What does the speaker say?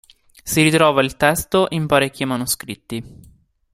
Si ritrova il testo in parecchi manoscritti.